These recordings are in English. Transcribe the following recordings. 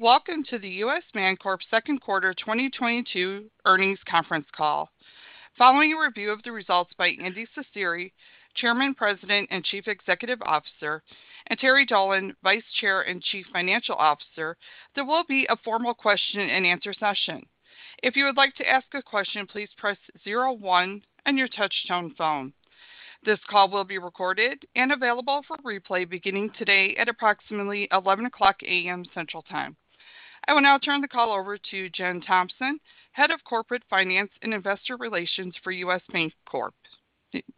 Welcome to the U.S. Bancorp Second Quarter 2022 Earnings Conference Call. Following a review of the results by Andy Cecere, Chairman, President, and Chief Executive Officer, and Terry Dolan, Vice Chair and Chief Financial Officer, there will be a formal question-and-answer session. If you would like to ask a question, please press zero one on your touchtone phone. This call will be recorded and available for replay beginning today at approximately 11:00 A.M. Central Time. I will now turn the call over to Jen Thompson, Head of Corporate Finance and Investor Relations for U.S. Bancorp.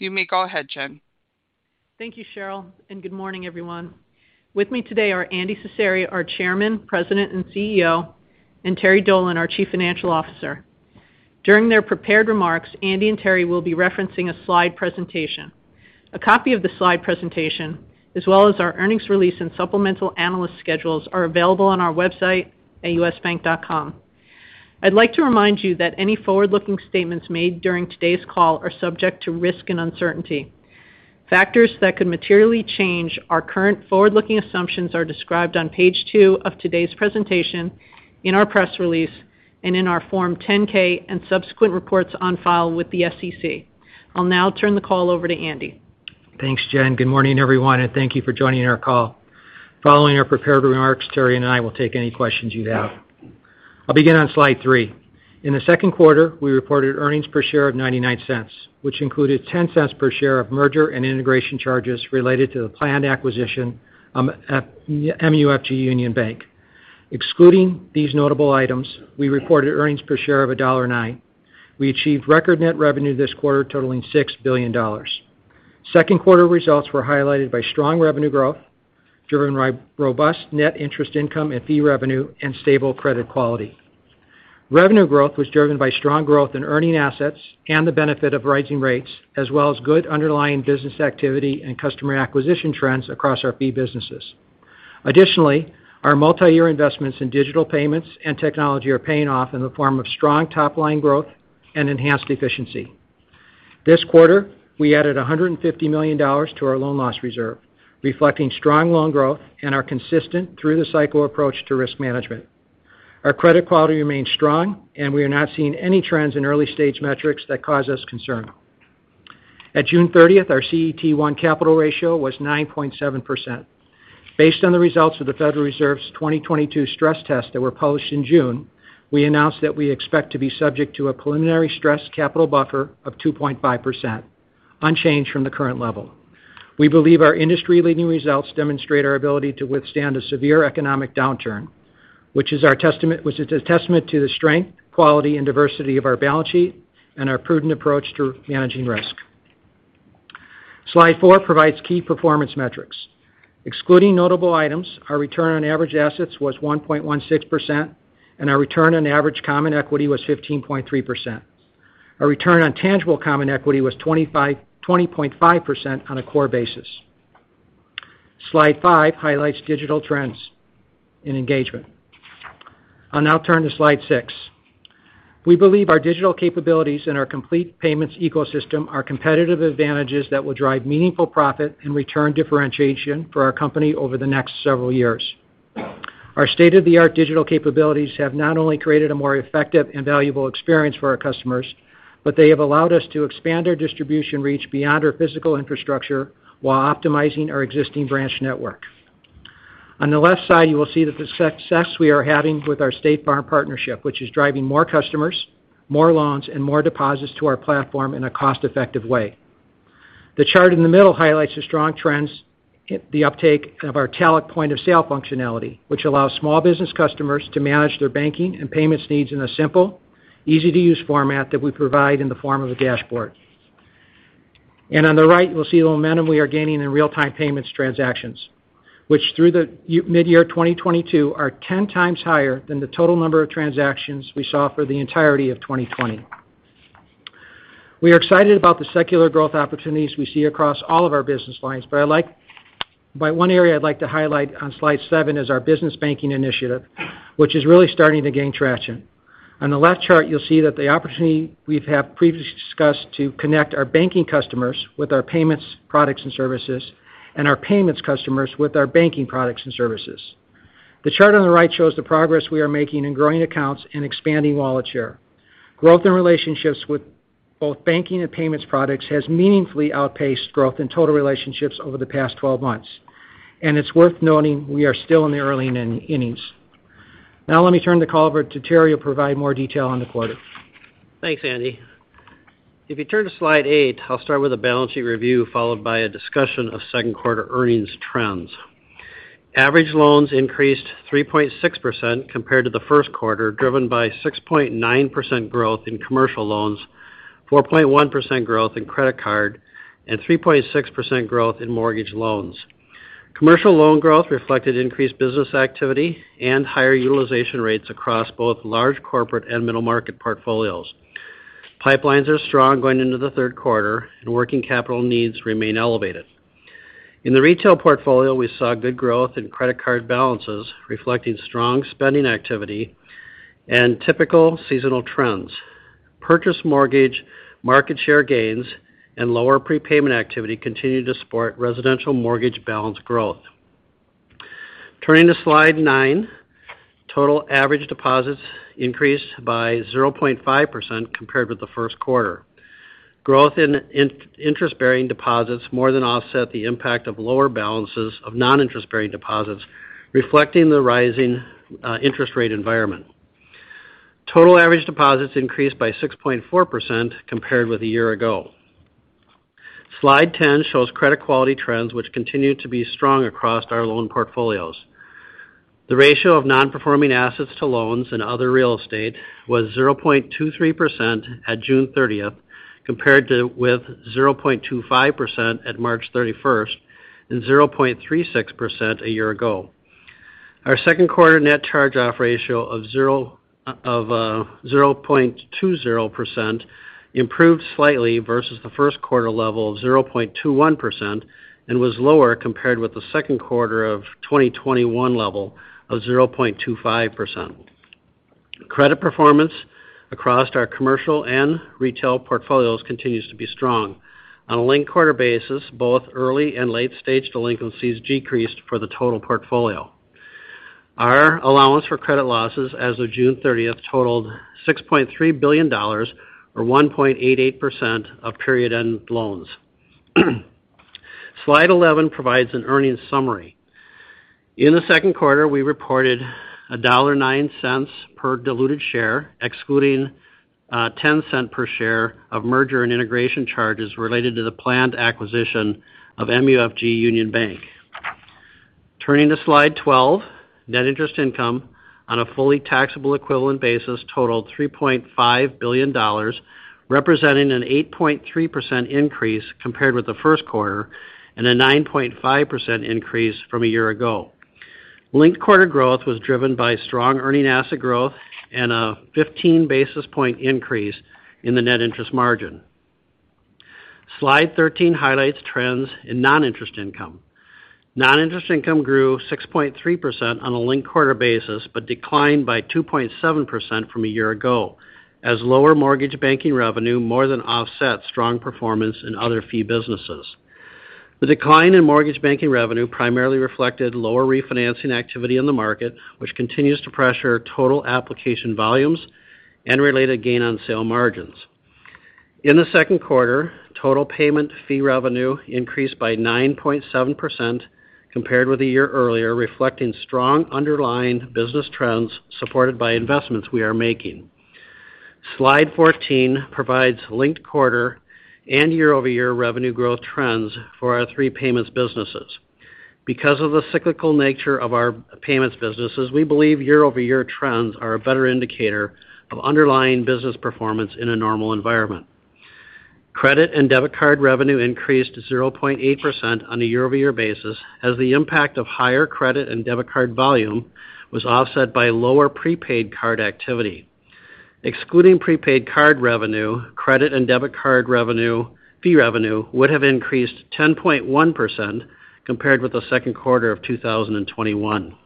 You may go ahead, Jen. Thank you, Cheryl, and good morning, everyone. With me today are Andy Cecere, our Chairman, President, and CEO, and Terry Dolan, our Chief Financial Officer. During their prepared remarks, Andy and Terry will be referencing a slide presentation. A copy of the slide presentation, as well as our earnings release and supplemental analyst schedules, are available on our website at usbank.com. I'd like to remind you that any forward-looking statements made during today's call are subject to risk and uncertainty. Factors that could materially change our current forward-looking assumptions are described on page two of today's presentation, in our press release, and in our Form 10-K and subsequent reports on file with the SEC. I'll now turn the call over to Andy. Thanks, Jen. Good morning, everyone, and thank you for joining our call. Following our prepared remarks, Terry and I will take any questions you have. I'll begin on slide three. In the second quarter, we reported earnings per share of $0.99, which included $0.10 per share of merger and integration charges related to the planned acquisition of MUFG Union Bank. Excluding these notable items, we reported earnings per share of $1.09. We achieved record net revenue this quarter, totaling $6 billion. Second quarter results were highlighted by strong revenue growth, driven by robust net interest income and fee revenue and stable credit quality. Revenue growth was driven by strong growth in earning assets and the benefit of rising rates, as well as good underlying business activity and customer acquisition trends across our fee businesses. Additionally, our multiyear investments in digital payments and technology are paying off in the form of strong top-line growth and enhanced efficiency. This quarter, we added $150 million to our loan loss reserve, reflecting strong loan growth and our consistent through-the-cycle approach to risk management. Our credit quality remains strong, and we are not seeing any trends in early-stage metrics that cause us concern. At June thirtieth, our CET1 capital ratio was 9.7%. Based on the results of the Federal Reserve's 2022 stress tests that were published in June, we announced that we expect to be subject to a preliminary stress capital buffer of 2.5%, unchanged from the current level. We believe our industry-leading results demonstrate our ability to withstand a severe economic downturn, which is a testament to the strength, quality, and diversity of our balance sheet and our prudent approach to managing risk. Slide four provides key performance metrics. Excluding notable items, our return on average assets was 1.16%, and our return on average common equity was 15.3%. Our return on tangible common equity was 20.5% on a core basis. Slide five highlights digital trends in engagement. I'll now turn to Slide six. We believe our digital capabilities and our complete payments ecosystem are competitive advantages that will drive meaningful profit and return differentiation for our company over the next several years. Our state-of-the-art digital capabilities have not only created a more effective and valuable experience for our customers, but they have allowed us to expand our distribution reach beyond our physical infrastructure while optimizing our existing branch network. On the left side, you will see that the success we are having with our State Farm partnership, which is driving more customers, more loans, and more deposits to our platform in a cost-effective way. The chart in the middle highlights the strong trends in the uptake of our talech point-of-sale functionality, which allows small business customers to manage their banking and payments needs in a simple, easy-to-use format that we provide in the form of a dashboard. On the right, you'll see the momentum we are gaining in real-time payments transactions, which through the midyear 2022 are 10 times higher than the total number of transactions we saw for the entirety of 2020. We are excited about the secular growth opportunities we see across all of our business lines. I'd like to highlight one area on slide seven, which is our business banking initiative, which is really starting to gain traction. On the left chart, you'll see the opportunity we have previously discussed to connect our banking customers with our payments products and services and our payments customers with our banking products and services. The chart on the right shows the progress we are making in growing accounts and expanding wallet share. Growth in relationships with both banking and payments products has meaningfully outpaced growth in total relationships over the past 12 months. It's worth noting we are still in the early innings. Now let me turn the call over to Terry to provide more detail on the quarter. Thanks, Andy. If you turn to slide eight, I'll start with a balance sheet review, followed by a discussion of second quarter earnings trends. Average loans increased 3.6% compared to the first quarter, driven by 6.9% growth in commercial loans, 4.1% growth in credit card, and 3.6% growth in mortgage loans. Commercial loan growth reflected increased business activity and higher utilization rates across both large corporate and middle market portfolios. Pipelines are strong going into the third quarter, and working capital needs remain elevated. In the retail portfolio, we saw good growth in credit card balances, reflecting strong spending activity and typical seasonal trends. Purchase mortgage market share gains and lower prepayment activity continued to support residential mortgage balance growth. Turning to slide nine. Total average deposits increased by 0.5% compared with the first quarter. Growth in interest-bearing deposits more than offset the impact of lower balances of non-interest-bearing deposits, reflecting the rising interest rate environment. Total average deposits increased by 6.4% compared with a year ago. Slide 10 shows credit quality trends which continue to be strong across our loan portfolios. The ratio of non-performing assets to loans and other real estate was 0.23% at June 30th, compared with 0.25% at March 31st and 0.36% a year ago. Our second quarter net charge-off ratio of 0.20% improved slightly versus the first quarter level of 0.21% and was lower compared with the second quarter of 2021 level of 0.25%. Credit performance across our commercial and retail portfolios continues to be strong. On a linked quarter basis, both early and late-stage delinquencies decreased for the total portfolio. Our allowance for credit losses as of June 30th totaled $6.3 billion or 1.88% of period-end loans. Slide 11 provides an earnings summary. In the second quarter, we reported $1.09 per diluted share, excluding $0.10 per share of merger and integration charges related to the planned acquisition of MUFG Union Bank. Turning to slide 12. Net interest income on a fully taxable equivalent basis totaled $3.5 billion, representing an 8.3% increase compared with the first quarter and a 9.5% increase from a year ago. Linked-quarter growth was driven by strong earning asset growth and a 15 basis point increase in the net interest margin. Slide 13 highlights trends in non-interest income. Non-interest income grew 6.3% on a linked-quarter basis, but declined by 2.7% from a year ago, as lower mortgage banking revenue more than offset strong performance in other fee businesses. The decline in mortgage banking revenue primarily reflected lower refinancing activity in the market, which continues to pressure total application volumes and related gain on sale margins. In the second quarter, total payment fee revenue increased by 9.7% compared with a year earlier, reflecting strong underlying business trends supported by investments we are making. Slide 14 provides linked quarter and year-over-year revenue growth trends for our three payments businesses. Because of the cyclical nature of our payments businesses, we believe year-over-year trends are a better indicator of underlying business performance in a normal environment. Credit and debit card revenue increased 0.8% on a year-over-year basis as the impact of higher credit and debit card volume was offset by lower prepaid card activity. Excluding prepaid card revenue, credit and debit card fee revenue would have increased 10.1% compared with the second quarter of 2021.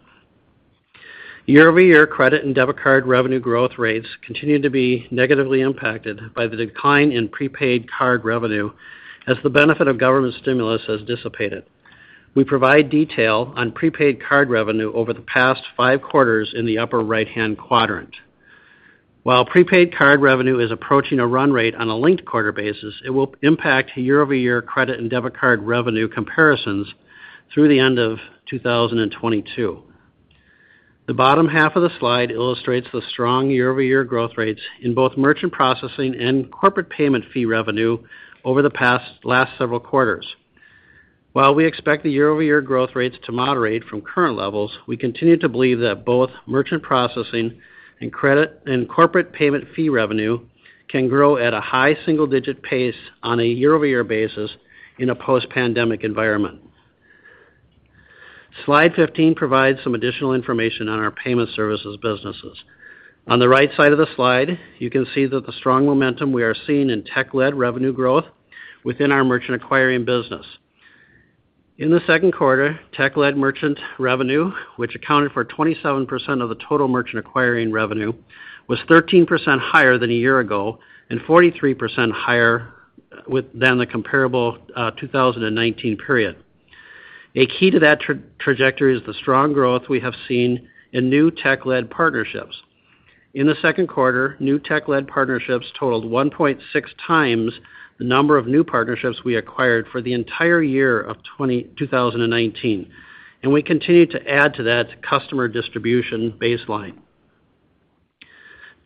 Year-over-year credit and debit card revenue growth rates continue to be negatively impacted by the decline in prepaid card revenue as the benefit of government stimulus has dissipated. We provide detail on prepaid card revenue over the past five quarters in the upper right-hand quadrant. While prepaid card revenue is approaching a run rate on a linked quarter basis, it will impact year-over-year credit and debit card revenue comparisons through the end of 2022. The bottom half of the slide illustrates the strong year-over-year growth rates in both merchant processing and corporate payment fee revenue over the past several quarters. While we expect the year-over-year growth rates to moderate from current levels, we continue to believe that both merchant processing and corporate payment fee revenue can grow at a high single-digit pace on a year-over-year basis in a post-pandemic environment. Slide 15 provides some additional information on our payment services businesses. On the right side of the slide, you can see that the strong momentum we are seeing in tech-led revenue growth within our merchant acquiring business. In the second quarter, tech-led merchant revenue, which accounted for 27% of the total merchant acquiring revenue, was 13% higher than a year ago and 43% higher than the comparable 2019 period. A key to that trajectory is the strong growth we have seen in new tech-led partnerships. In the second quarter, new tech-led partnerships totaled 1.6 times the number of new partnerships we acquired for the entire year of 2019, and we continue to add to that customer distribution baseline.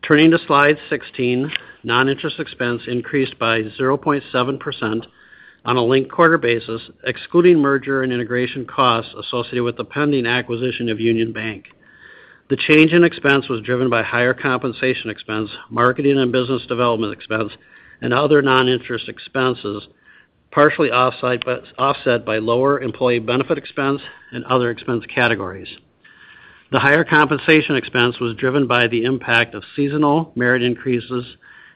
Turning to slide 16. Non-interest expense increased by 0.7% on a linked-quarter basis, excluding merger and integration costs associated with the pending acquisition of Union Bank. The change in expense was driven by higher compensation expense, marketing and business development expense, and other non-interest expenses, partially offset by lower employee benefit expense and other expense categories. The higher compensation expense was driven by the impact of seasonal merit increases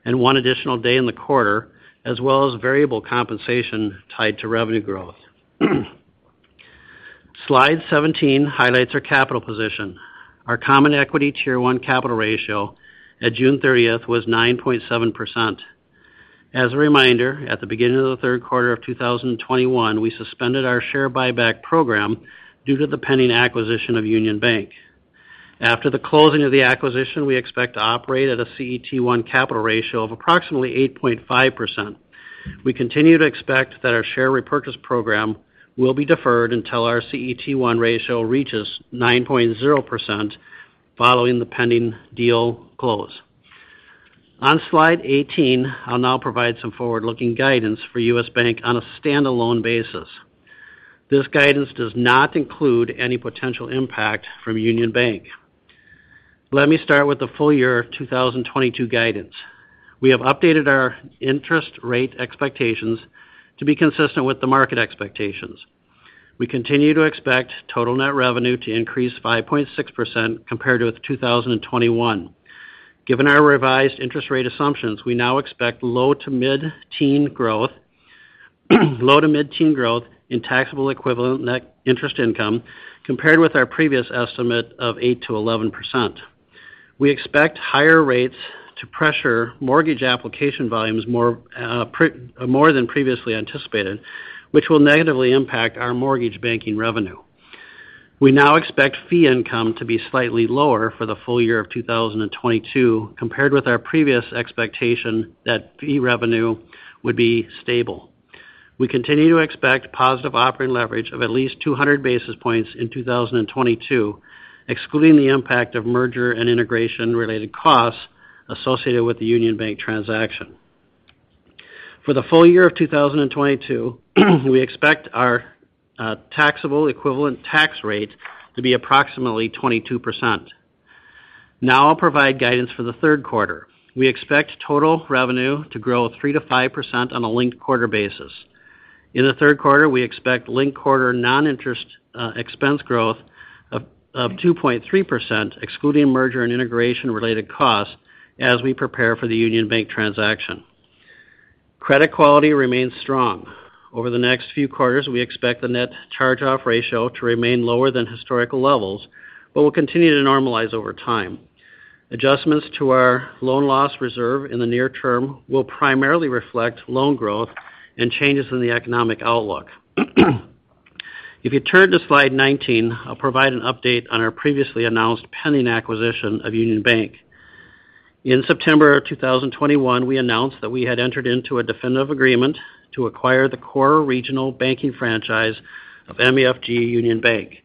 and one additional day in the quarter, as well as variable compensation tied to revenue growth. Slide 17 highlights our capital position. Our Common Equity Tier 1 capital ratio at June 30th was 9.7%. As a reminder, at the beginning of the third quarter of 2021, we suspended our share buyback program due to the pending acquisition of Union Bank. After the closing of the acquisition, we expect to operate at a CET1 capital ratio of approximately 8.5%. We continue to expect that our share repurchase program will be deferred until our CET1 ratio reaches 9.0% following the pending deal close. On slide 18, I'll now provide some forward-looking guidance for U.S. Bank on a standalone basis. This guidance does not include any potential impact from Union Bank. Let me start with the full year of 2022 guidance. We have updated our interest rate expectations to be consistent with the market expectations. We continue to expect total net revenue to increase 5.6% compared with 2021. Given our revised interest rate assumptions, we now expect low- to mid-teen growth, low- to mid-teen growth in taxable equivalent net interest income compared with our previous estimate of 8%-11%. We expect higher rates to pressure mortgage application volumes more than previously anticipated, which will negatively impact our mortgage banking revenue. We now expect fee income to be slightly lower for the full year of 2022 compared with our previous expectation that fee revenue would be stable. We continue to expect positive operating leverage of at least 200 basis points in 2022, excluding the impact of merger and integration related costs associated with the Union Bank transaction. For the full year of 2022, we expect our taxable equivalent tax rate to be approximately 22%. Now I'll provide guidance for the third quarter. We expect total revenue to grow 3%-5% on a linked quarter basis. In the third quarter, we expect linked quarter non-interest expense growth of 2.3%, excluding merger and integration related costs as we prepare for the Union Bank transaction. Credit quality remains strong. Over the next few quarters, we expect the net charge-off ratio to remain lower than historical levels, but will continue to normalize over time. Adjustments to our loan loss reserve in the near term will primarily reflect loan growth and changes in the economic outlook. If you turn to slide 19, I'll provide an update on our previously announced pending acquisition of Union Bank. In September 2021, we announced that we had entered into a definitive agreement to acquire the core regional banking franchise of MUFG Union Bank.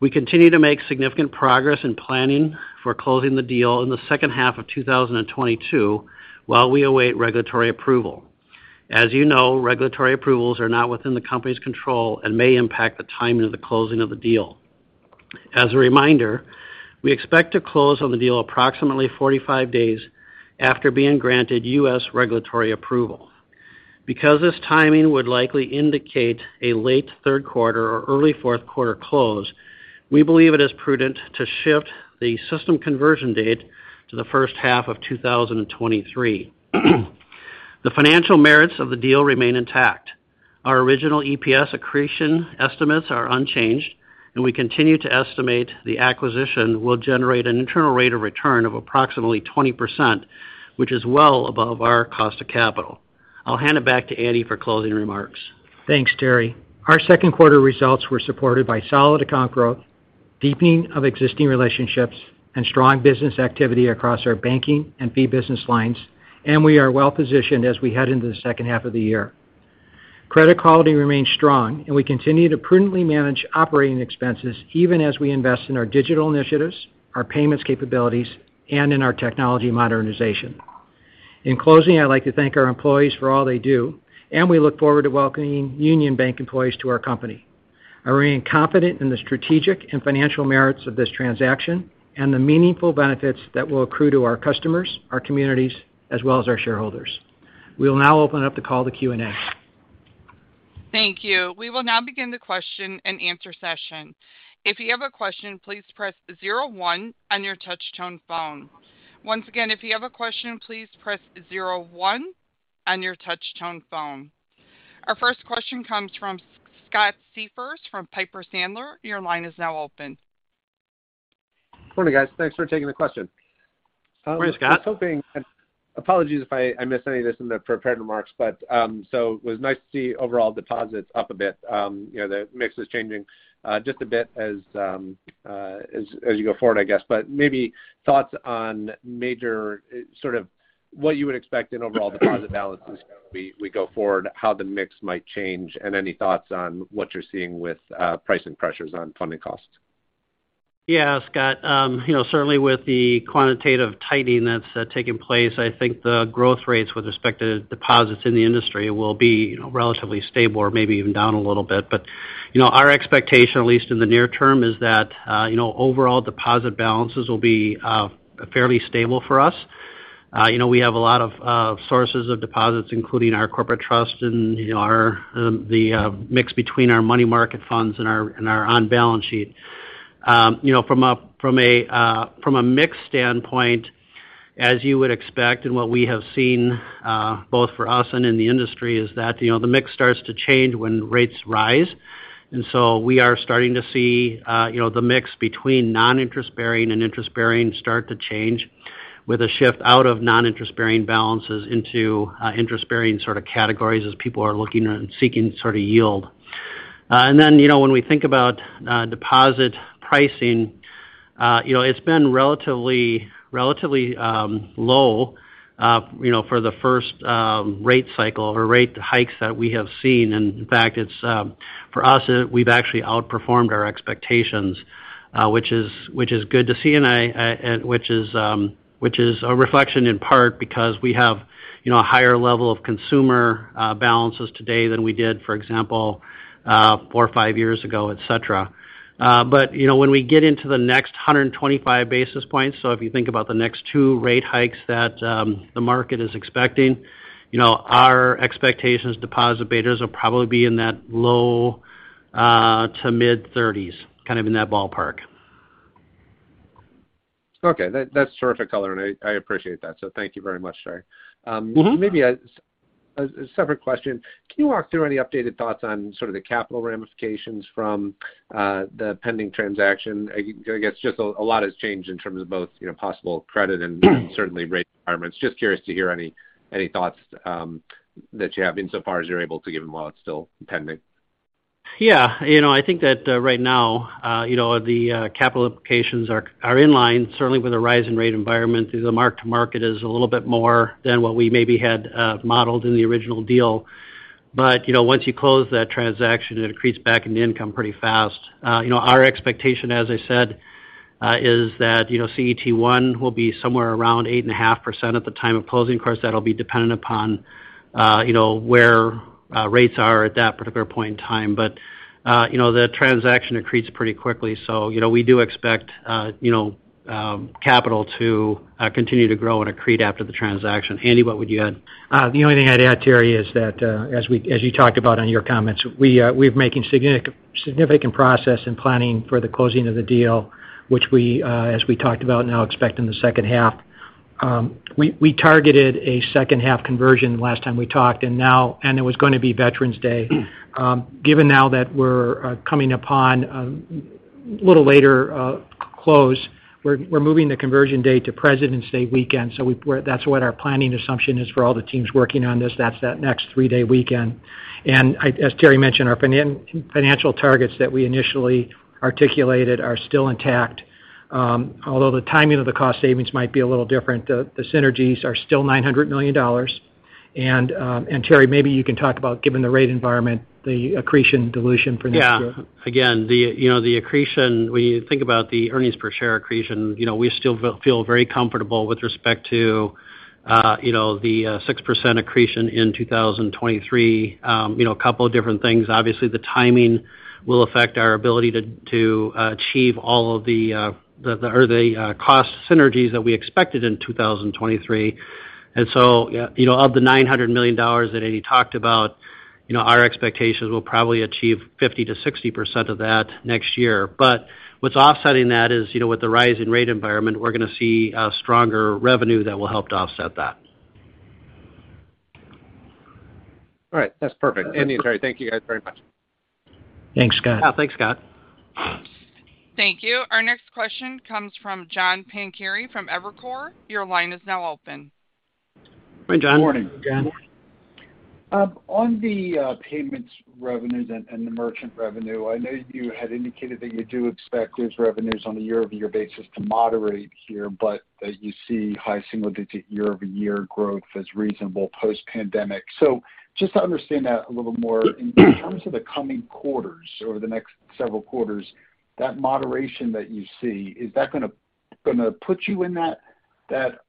We continue to make significant progress in planning for closing the deal in the second half of 2022 while we await regulatory approval. As you know, regulatory approvals are not within the company's control and may impact the timing of the closing of the deal. As a reminder, we expect to close on the deal approximately 45 days after being granted U.S. regulatory approval. Because this timing would likely indicate a late third quarter or early fourth quarter close, we believe it is prudent to shift the system conversion date to the first half of 2023. The financial merits of the deal remain intact. Our original EPS accretion estimates are unchanged, and we continue to estimate the acquisition will generate an internal rate of return of approximately 20%, which is well above our cost of capital. I'll hand it back to Andy for closing remarks. Thanks, Terry. Our second quarter results were supported by solid account growth, deepening of existing relationships and strong business activity across our banking and fee business lines, and we are well positioned as we head into the second half of the year. Credit quality remains strong and we continue to prudently manage operating expenses even as we invest in our digital initiatives, our payments capabilities, and in our technology modernization. In closing, I'd like to thank our employees for all they do, and we look forward to welcoming Union Bank employees to our company. I remain confident in the strategic and financial merits of this transaction and the meaningful benefits that will accrue to our customers, our communities, as well as our shareholders. We'll now open up the call to Q&A. Thank you. We will now begin the question-and-answer session. If you have a question, please press zero one on your touch tone phone. Once again, if you have a question, please press zero one on your touch tone phone. Our first question comes from Scott Siefers from Piper Sandler. Your line is now open. Morning, guys. Thanks for taking the question. Morning, Scott. Apologies if I missed any of this in the prepared remarks, but so it was nice to see overall deposits up a bit. You know, the mix is changing just a bit as you go forward, I guess. Maybe thoughts on major sort of what you would expect in overall deposit balances as we go forward, how the mix might change, and any thoughts on what you're seeing with pricing pressures on funding costs. Yeah, Scott. You know, certainly with the quantitative tightening that's taking place, I think the growth rates with respect to deposits in the industry will be, you know, relatively stable or maybe even down a little bit. You know, our expectation, at least in the near term, is that, you know, overall deposit balances will be fairly stable for us. You know, we have a lot of sources of deposits, including our corporate trust and, you know, our, the mix between our money market funds and our and our on balance sheet. You know, from a mix standpoint. As you would expect and what we have seen, both for us and in the industry is that, you know, the mix starts to change when rates rise. We are starting to see, you know, the mix between non-interest-bearing and interest-bearing start to change with a shift out of non-interest-bearing balances into interest-bearing sort of categories as people are looking and seeking sort of yield. When we think about deposit pricing, you know, it's been relatively low, you know, for the first rate cycle or rate hikes that we have seen. In fact, it's for us, we've actually outperformed our expectations, which is good to see, and which is a reflection in part because we have, you know, a higher level of consumer balances today than we did, for example, four or five years ago, et cetera. You know, when we get into the next 125 basis points, if you think about the next two rate hikes that the market is expecting, you know, our expected deposit betas will probably be in that low-to-mid 30s, kind of in that ballpark. Okay. That's terrific color, and I appreciate that. Thank you very much, Terry. Mm-hmm. Maybe a separate question. Can you walk through any updated thoughts on sort of the capital ramifications from the pending transaction? I guess just a lot has changed in terms of both, you know, possible credit and- Mm. In certain rate environments. Just curious to hear any thoughts that you have insofar as you're able to give them while it's still pending. Yeah. You know, I think that, right now, you know, the capital applications are in line, certainly with the rise in rate environment. The mark-to-market is a little bit more than what we maybe had, modeled in the original deal. You know, once you close that transaction, it accretes back into income pretty fast. You know, our expectation, as I said, is that, you know, CET1 will be somewhere around 8.5% at the time of closing. Of course, that'll be dependent upon, you know, where rates are at that particular point in time. You know, the transaction accretes pretty quickly, so, you know, we do expect, you know, capital to continue to grow and accrete after the transaction. Andy, what would you add? The only thing I'd add, Terry, is that, as you talked about in your comments, we're making significant progress in planning for the closing of the deal, which, as we talked about, now expect in the second half. We targeted a second half conversion last time we talked, and now it was gonna be Veterans Day. Given now that we're coming upon a little later close, we're moving the conversion date to Presidents' Day weekend. That's what our planning assumption is for all the teams working on this. That's that next three-day weekend. As Terry mentioned, our financial targets that we initially articulated are still intact. Although the timing of the cost savings might be a little different, the synergies are still $900 million. Terry, maybe you can talk about, given the rate environment, the accretion dilution for next year? Yeah. Again, you know, the accretion, when you think about the earnings per share accretion, you know, we still feel very comfortable with respect to, you know, the 6% accretion in 2023. You know, a couple of different things. Obviously, the timing will affect our ability to achieve all of the cost synergies that we expected in 2023. You know, of the $900 million that Andy talked about, you know, our expectations, we'll probably achieve 50%-60% of that next year. What's offsetting that is, you know, with the rise in rate environment, we're gonna see a stronger revenue that will help to offset that. All right. That's perfect. Okay. Andy and Terry, thank you guys very much. Thanks, Scott. Yeah, thanks, Scott. Thank you. Our next question comes from John Pancari from Evercore. Your line is now open. Hi, John. Morning. John. On the payments revenues and the merchant revenue, I know you had indicated that you do expect those revenues on a year-over-year basis to moderate here, but you see high single digit year-over-year growth as reasonable post-pandemic. Just to understand that a little more, in terms of the coming quarters over the next several quarters, that moderation that you see, is that gonna put you in that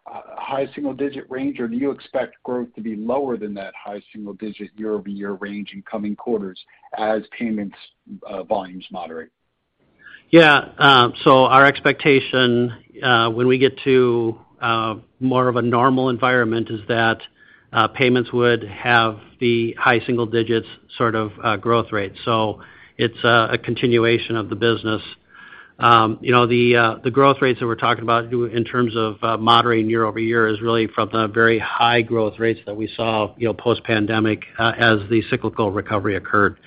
high single digit range, or do you expect growth to be lower than that high single digit year-over-year range in coming quarters as payments volumes moderate? Yeah. Our expectation when we get to more of a normal environment is that payments would have the high single-digit sort of growth rate. It's a continuation of the business. You know, the growth rates that we're talking about in terms of moderating year-over-year is really from the very high growth rates that we saw, you know, post-pandemic, as the cyclical recovery occurred.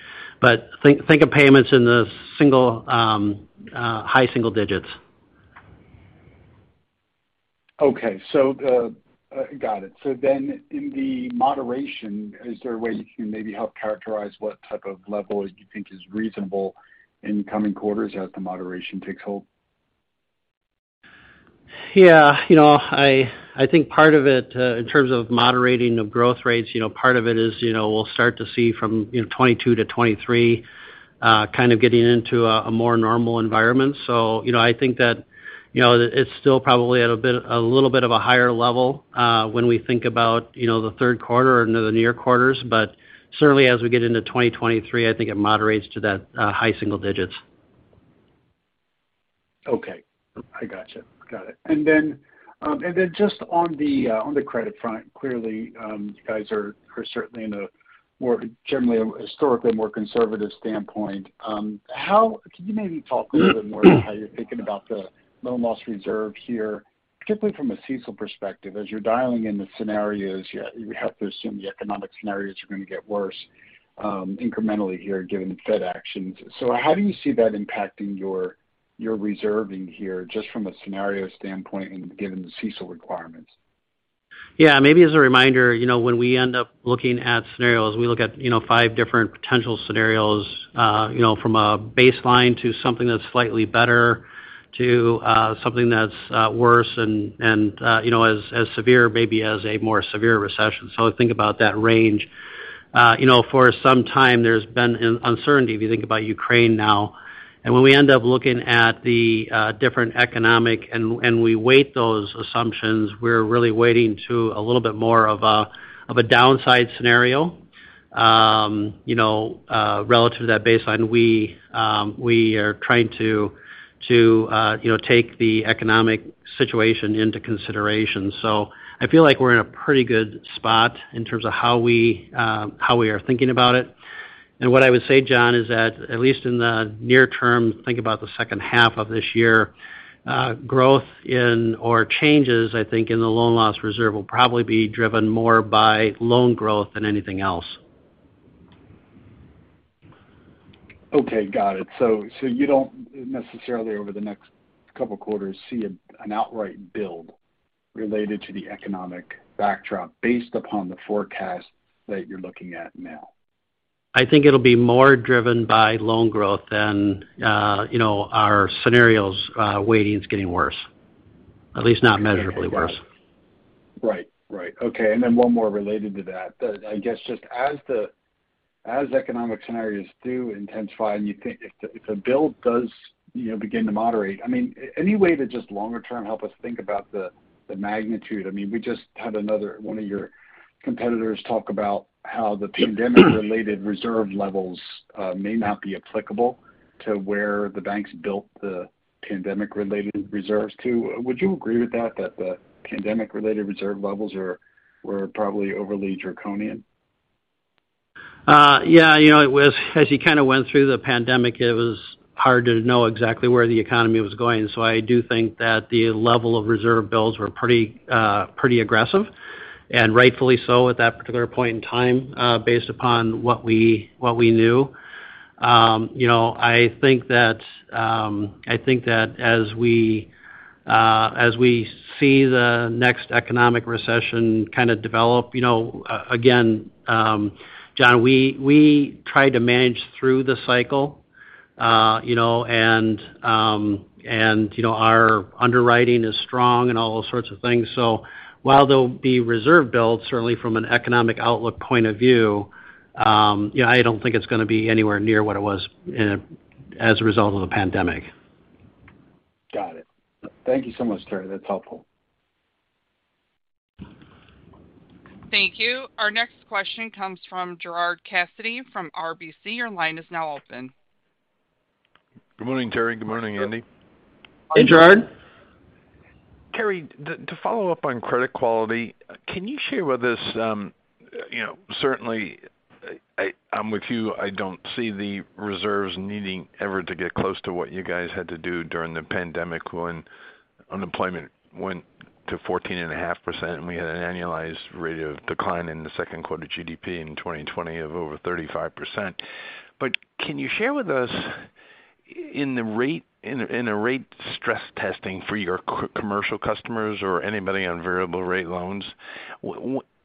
Think of payments in the single, high single-digit. Got it. In the moderation, is there a way you can maybe help characterize what type of level you think is reasonable in coming quarters as the moderation takes hold? Yeah. You know, I think part of it in terms of moderating the growth rates, you know, part of it is, you know, we'll start to see from 2022 to 2023 kind of getting into a more normal environment. You know, I think that it's still probably a little bit of a higher level when we think about the third quarter or the next quarters. Certainly as we get into 2023, I think it moderates to that high single digits. Okay. I gotcha. Got it. Then just on the credit front, clearly, you guys are certainly in a more generally, historically more conservative standpoint. Can you maybe talk a little bit more how you're thinking about the loan loss reserve here, particularly from a CECL perspective. As you're dialing in the scenarios, you have to assume the economic scenarios are gonna get worse, incrementally here given the Fed actions. How do you see that impacting your reserving here, just from a scenario standpoint and given the CECL requirements? Yeah. Maybe as a reminder, you know, when we end up looking at scenarios, we look at, you know, five different potential scenarios, you know, from a baseline to something that's slightly better to, something that's, worse and, you know, as severe maybe as a more severe recession. So think about that range. You know, for some time there's been an uncertainty if you think about Ukraine now. When we end up looking at the, different economic and we weight those assumptions, we're really weighting to a little bit more of a downside scenario. You know, relative to that baseline, we are trying to, you know, take the economic situation into consideration. I feel like we're in a pretty good spot in terms of how we are thinking about it. What I would say, John, is that at least in the near term, think about the second half of this year, growth in or changes, I think, in the loan loss reserve will probably be driven more by loan growth than anything else. Okay, got it. You don't necessarily over the next couple quarters see an outright build related to the economic backdrop based upon the forecast that you're looking at now? I think it'll be more driven by loan growth than, you know, our scenarios weighting is getting worse, at least not measurably worse. Right. Okay. One more related to that. I guess just as the economic scenarios do intensify, and you think if the build does, you know, begin to moderate, I mean any way to just longer term help us think about the magnitude? I mean, we just had another one of your competitors talk about how the pandemic-related reserve levels may not be applicable to where the banks built the pandemic-related reserves to. Would you agree with that the pandemic-related reserve levels are, were probably overly draconian? Yeah. You know, it was as you kind of went through the pandemic, it was hard to know exactly where the economy was going. I do think that the level of reserve builds were pretty aggressive, and rightfully so at that particular point in time, based upon what we knew. You know, I think that as we see the next economic recession kind of develop, you know, again, John, we try to manage through the cycle, you know. You know, our underwriting is strong and all those sorts of things. While there'll be reserve builds certainly from an economic outlook point of view, you know, I don't think it's gonna be anywhere near what it was as a result of the pandemic. Got it. Thank you so much, Terry. That's helpful. Thank you. Our next question comes from Gerard Cassidy from RBC. Your line is now open. Good morning, Terry. Good morning, Andy. Hey, Gerard. Terry, to follow up on credit quality, can you share with us, you know, certainly, I'm with you, I don't see the reserves needing ever to get close to what you guys had to do during the pandemic when unemployment went to 14.5%, and we had an annualized rate of decline in the second quarter GDP in 2020 of over 35%. Can you share with us in the rate stress testing for your commercial customers or anybody on variable rate loans,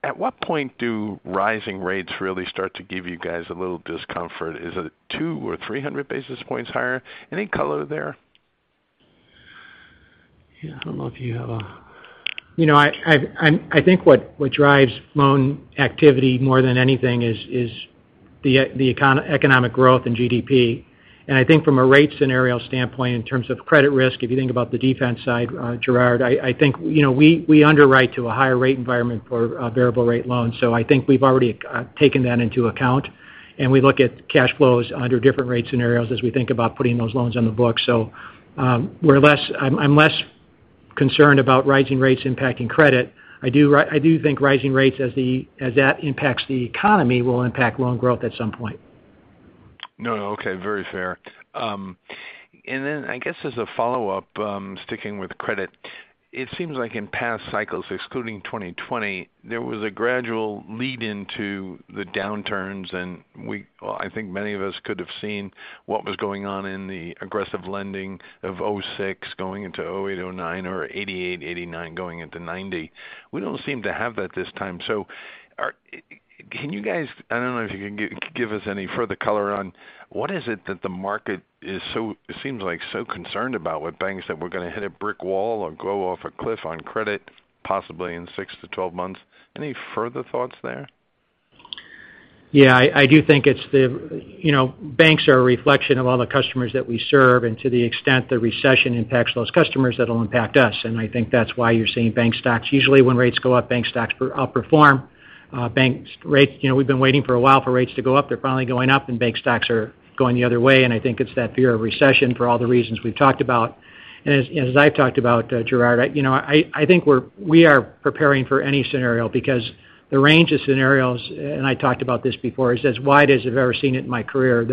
at what point do rising rates really start to give you guys a little discomfort? Is it 200 or 300 basis points higher? Any color there? Yeah. You know, I think what drives loan activity more than anything is the economic growth in GDP. I think from a rate scenario standpoint in terms of credit risk, if you think about the defensive side, Gerard, I think, you know, we underwrite to a higher rate environment for variable rate loans. I think we've already taken that into account, and we look at cash flows under different rate scenarios as we think about putting those loans on the books. I'm less concerned about rising rates impacting credit. I do think rising rates, as that impacts the economy, will impact loan growth at some point. No, no. Okay, very fair. I guess as a follow-up, sticking with credit. It seems like in past cycles, excluding 2020, there was a gradual lead into the downturns, well, I think many of us could have seen what was going on in the aggressive lending of 2006 going into 2008, 2009 or 1988, 1989 going into 1990. We don't seem to have that this time. Can you guys, I don't know if you can give us any further color on what is it that the market is so, it seems like so concerned about with banks that we're gonna hit a brick wall or go off a cliff on credit possibly in six to 12 months? Any further thoughts there? Yeah, I do think it's the, you know, banks are a reflection of all the customers that we serve, and to the extent the recession impacts those customers, that'll impact us. I think that's why you're seeing bank stocks. Usually, when rates go up, bank stocks outperform bank rates. You know, we've been waiting for a while for rates to go up. They're finally going up, and bank stocks are going the other way, and I think it's that fear of recession for all the reasons we've talked about. As I've talked about, Gerard, you know, I think we are preparing for any scenario because the range of scenarios, and I talked about this before, is as wide as I've ever seen it in my career.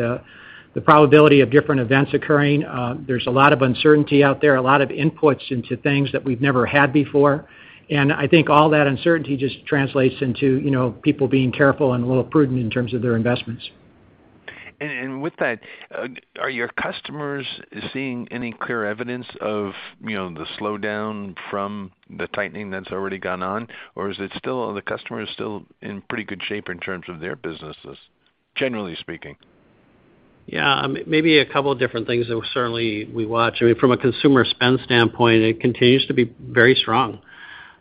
The probability of different events occurring, there's a lot of uncertainty out there, a lot of inputs into things that we've never had before. I think all that uncertainty just translates into, you know, people being careful and a little prudent in terms of their investments. With that, are your customers seeing any clear evidence of, you know, the slowdown from the tightening that's already gone on? Or are the customers still in pretty good shape in terms of their businesses, generally speaking? Yeah. Maybe a couple different things that certainly we watch. I mean, from a consumer spend standpoint, it continues to be very strong,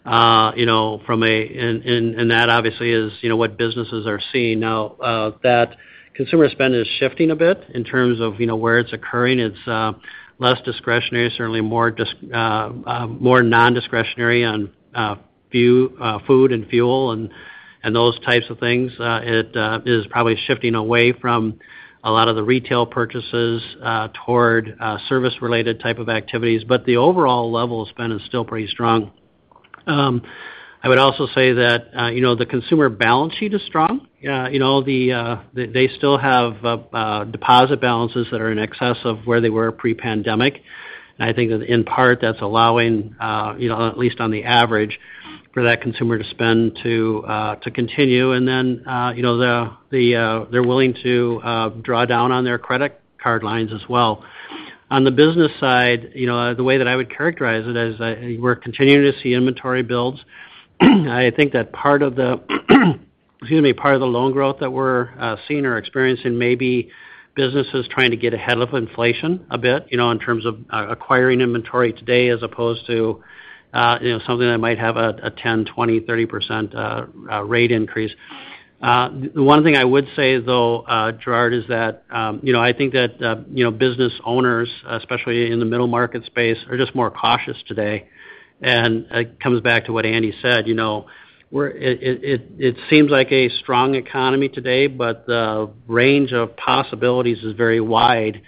you know, that obviously is, you know, what businesses are seeing now. That consumer spend is shifting a bit in terms of, you know, where it's occurring. It's less discretionary, certainly more non-discretionary on food and fuel and those types of things. It is probably shifting away from a lot of the retail purchases toward service-related type of activities. But the overall level of spend is still pretty strong. I would also say that, you know, the consumer balance sheet is strong. You know, they still have deposit balances that are in excess of where they were pre-pandemic. I think that in part, that's allowing, you know, at least on the average, for that consumer to spend to continue. You know, they're willing to draw down on their credit card lines as well. On the business side, you know, the way that I would characterize it is, we're continuing to see inventory builds. I think that part of the loan growth that we're seeing or experiencing may be businesses trying to get ahead of inflation a bit, you know, in terms of acquiring inventory today as opposed to, you know, something that might have a 10%, 20%, 30% rate increase. One thing I would say, though, Gerard, is that, you know, I think that, you know, business owners, especially in the middle market space, are just more cautious today. It comes back to what Andy said, you know. It seems like a strong economy today, but the range of possibilities is very wide.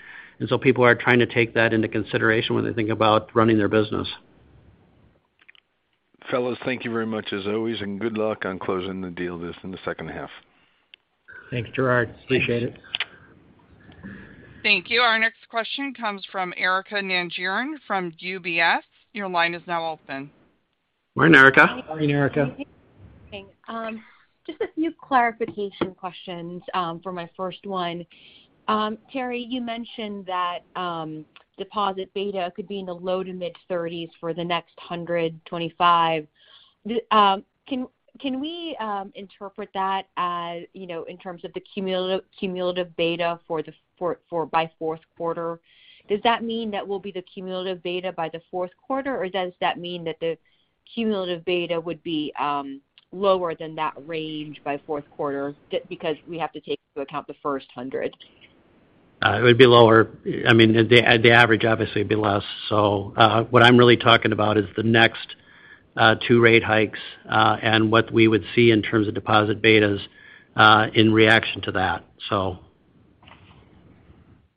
People are trying to take that into consideration when they think about running their business. Fellas, thank you very much as always, and good luck on closing the deal this in the second half. Thanks, Gerard. Appreciate it. Thank you. Thank you. Our next question comes from Erika Najarian from UBS. Your line is now open. Morning, Erika. Morning, Erika. Just a few clarification questions for my first one. Terry, you mentioned that deposit beta could be in the low- to mid-30s for the next 125. Can we interpret that as, you know, in terms of the cumulative beta by fourth quarter? Does that mean that will be the cumulative beta by the fourth quarter, or does that mean that the cumulative beta would be lower than that range by fourth quarter because we have to take into account the first 100? It would be lower. I mean, the average obviously would be less. What I'm really talking about is the next two rate hikes and what we would see in terms of deposit betas in reaction to that.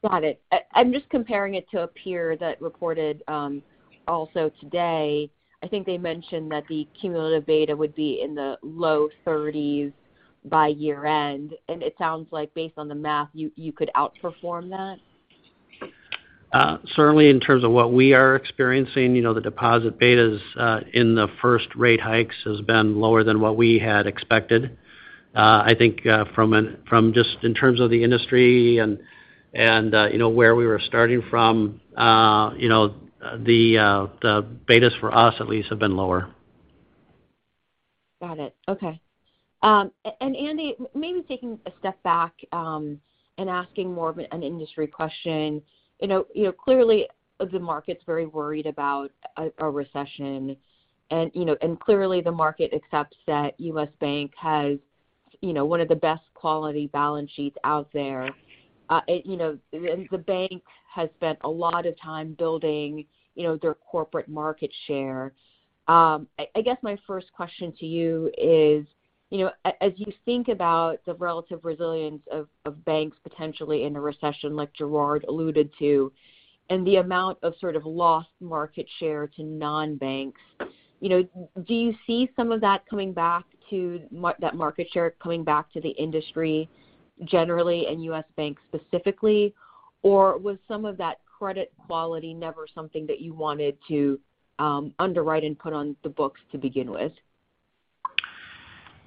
Got it. I'm just comparing it to a peer that reported also today. I think they mentioned that the cumulative beta would be in the low thirties by year-end. It sounds like based on the math, you could outperform that. Certainly in terms of what we are experiencing. You know, the deposit betas in the first rate hikes has been lower than what we had expected. I think, from just in terms of the industry and, you know, where we were starting from, you know, the betas for us at least have been lower. Got it. Okay. And Andy, maybe taking a step back and asking more of an industry question. You know, clearly the market's very worried about a recession. Clearly the market accepts that U.S. Bank has one of the best quality balance sheets out there. You know, the bank has spent a lot of time building their corporate market share. I guess my first question to you is, you know, as you think about the relative resilience of banks potentially in a recession like Gerard alluded to and the amount of sort of lost market share to non-banks, you know, do you see some of that coming back to that market share coming back to the industry generally and U.S. Bank specifically? Was some of that credit quality never something that you wanted to underwrite and put on the books to begin with?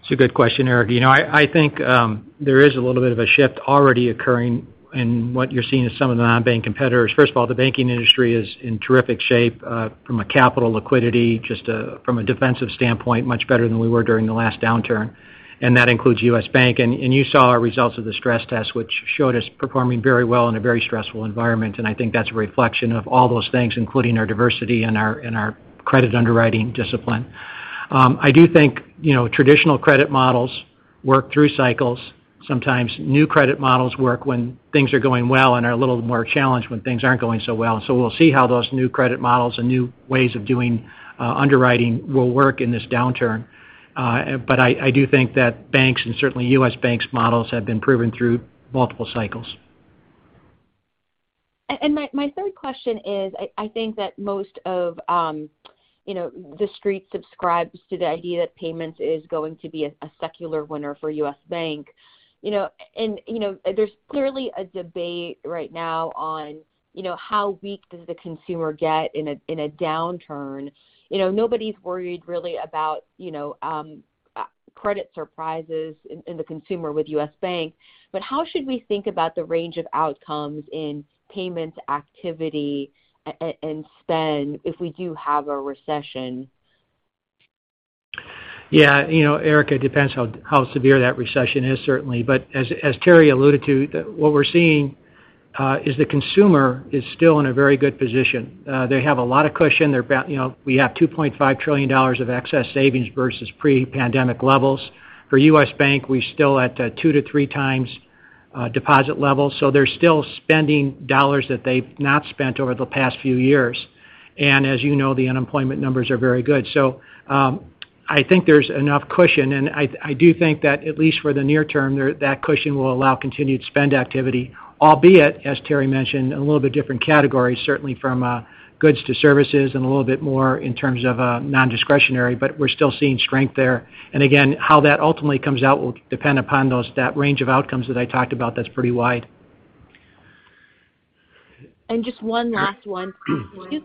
It's a good question, Erika. You know, I think there is a little bit of a shift already occurring in what you're seeing as some of the non-bank competitors. First of all, the banking industry is in terrific shape from a capital liquidity just from a defensive standpoint, much better than we were during the last downturn, and that includes U.S. Bank. You saw our results of the stress test which showed us performing very well in a very stressful environment. I think that's a reflection of all those things, including our diversity and our credit underwriting discipline. I do think you know traditional credit models work through cycles. Sometimes new credit models work when things are going well and are a little more challenged when things aren't going so well. We'll see how those new credit models and new ways of doing underwriting will work in this downturn. I do think that banks and certainly U.S. Bank's models have been proven through multiple cycles. My third question is, I think that most of you know, the Street subscribes to the idea that payments is going to be a secular winner for U.S. Bank. You know, there's clearly a debate right now on you know, how weak does the consumer get in a downturn. You know, nobody's worried really about you know, credit surprises in the consumer with U.S. Bank. How should we think about the range of outcomes in payments activity and spend if we do have a recession? Yeah. You know, Erika, it depends how severe that recession is, certainly. As Terry alluded to, what we're seeing is the consumer is still in a very good position. They have a lot of cushion. They're about, you know, we have $2.5 trillion of excess savings versus pre-pandemic levels. For U.S. Bank, we're still at two to three times deposit levels. They're still spending dollars that they've not spent over the past few years. As you know, the unemployment numbers are very good. I think there's enough cushion. I do think that at least for the near term, there, that cushion will allow continued spend activity, albeit, as Terry mentioned, in a little bit different categories, certainly from goods to services and a little bit more in terms of non-discretionary, but we're still seeing strength there. Again, how that ultimately comes out will depend upon those, that range of outcomes that I talked about that's pretty wide. Just one last one. Did you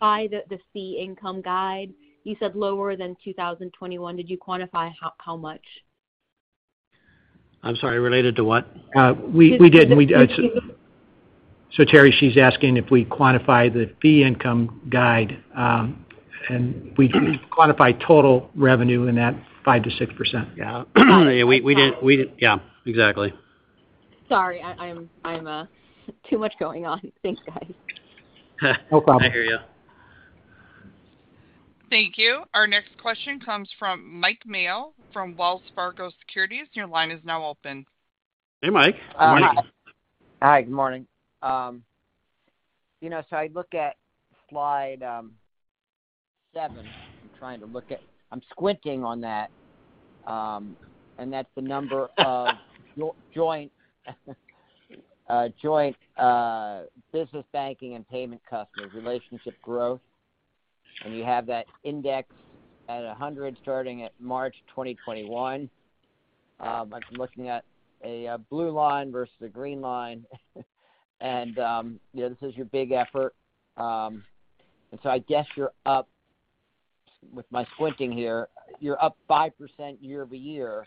buy the fee income guidance? You said lower than 2021. Did you quantify how much? I'm sorry, related to what? We did. The fee- Terry, she's asking if we quantify the fee income guide, and we quantify total revenue in that 5%-6%. Yeah. We did. Yeah, exactly. Sorry, I'm too much going on. Thanks, guys. No problem. I hear you. Thank you. Our next question comes from Mike Mayo from Wells Fargo Securities. Your line is now open. Hey, Mike. Good morning. Hi. Good morning. You know, I look at slide seven. I'm squinting on that. That's the number of joint business banking and payment customers, relationship growth. You have that indexed at 100 starting at March 2021. I'm looking at a blue line versus a green line. You know, this is your big effort. I guess you're up, with my squinting here, 5% year-over-year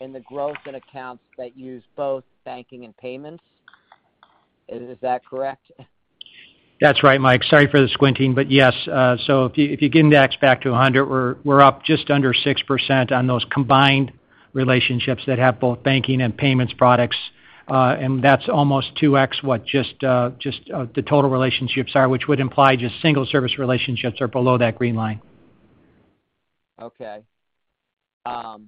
in the growth in accounts that use both banking and payments. Is that correct? That's right, Mike. Sorry for the squinting, but yes. So if you index back to 100, we're up just under 6% on those combined relationships that have both banking and payments products. That's almost 2x what just the total relationships are, which would imply just single service relationships are below that green line. Okay. How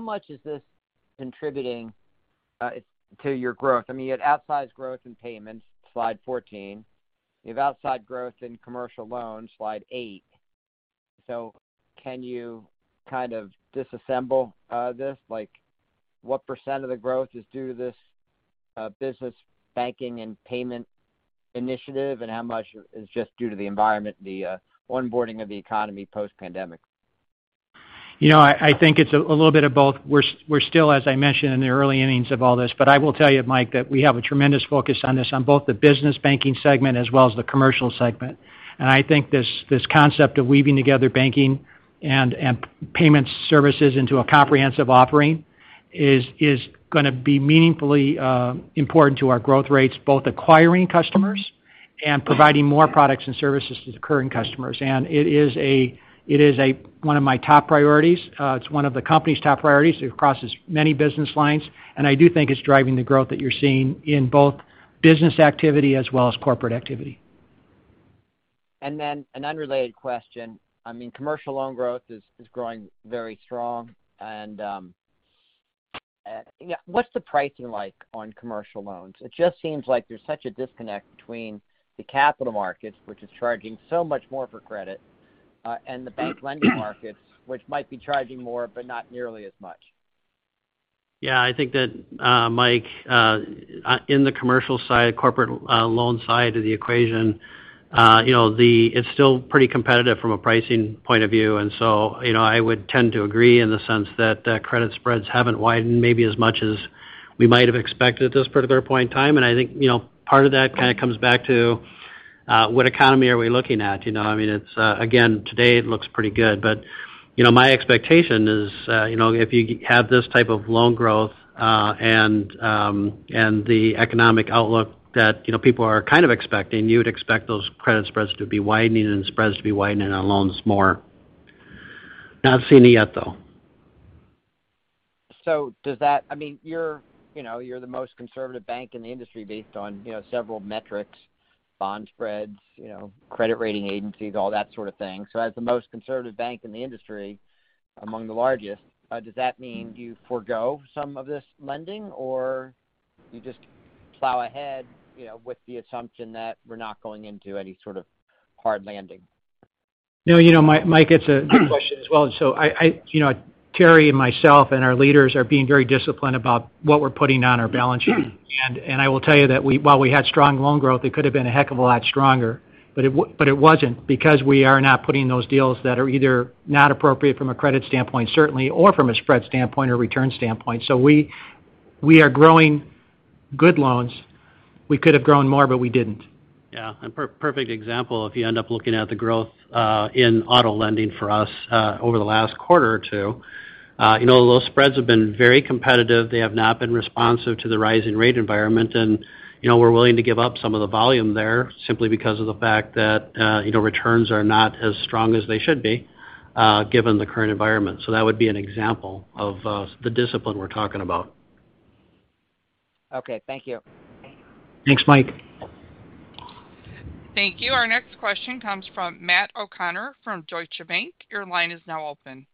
much is this contributing to your growth? I mean, you had outsized growth in payments, slide 14. You have outsized growth in commercial loans, slide eight. Can you kind of disassemble this? Like, what percent of the growth is due to this business banking and payment initiative, and how much is just due to the environment, the onboarding of the economy post-pandemic? You know, I think it's a little bit of both. We're still, as I mentioned, in the early innings of all this, but I will tell you, Mike, that we have a tremendous focus on this, on both the business banking segment as well as the commercial segment. I think this concept of weaving together banking and payment services into a comprehensive offering is gonna be meaningfully important to our growth rates, both acquiring customers and providing more products and services to the current customers. It is one of my top priorities. It's one of the company's top priorities. It crosses many business lines, and I do think it's driving the growth that you're seeing in both business activity as well as corporate activity. An unrelated question. I mean, commercial loan growth is growing very strong and yeah, what's the pricing like on commercial loans? It just seems like there's such a disconnect between the capital markets, which is charging so much more for credit, and the bank lending markets, which might be charging more, but not nearly as much. Yeah. I think that, Mike, in the commercial side, corporate, loan side of the equation, you know, it's still pretty competitive from a pricing point of view. You know, I would tend to agree in the sense that, credit spreads haven't widened maybe as much as we might have expected at this particular point in time. I think, you know, part of that kind of comes back to, what economy are we looking at? You know, I mean, it's, again, today it looks pretty good. My expectation is, you know, if you have this type of loan growth, and the economic outlook that, you know, people are kind of expecting, you would expect those credit spreads to be widening and spreads to be widening on loans more. Not seeing it yet, though. I mean, you're, you know, the most conservative bank in the industry based on, you know, several metrics. Bond spreads, you know, credit rating agencies, all that sort of thing. As the most conservative bank in the industry, among the largest, does that mean you forego some of this lending or you just plow ahead, you know, with the assumption that we're not going into any sort of hard landing? No, you know, Mike, it's a good question as well. I, you know, Terry and myself and our leaders are being very disciplined about what we're putting on our balance sheet. I will tell you that while we had strong loan growth, it could have been a heck of a lot stronger. It wasn't because we are not putting those deals that are either not appropriate from a credit standpoint, certainly, or from a spread standpoint or return standpoint. We are growing good loans. We could have grown more, but we didn't. Yeah. Perfect example, if you end up looking at the growth in auto lending for us over the last quarter or two, you know, those spreads have been very competitive. They have not been responsive to the rising rate environment. You know, we're willing to give up some of the volume there simply because of the fact that, you know, returns are not as strong as they should be given the current environment. That would be an example of the discipline we're talking about. Okay. Thank you. Thanks, Mike. Thank you. Our next question comes from Matt O'Connor from Deutsche Bank. Your line is now open.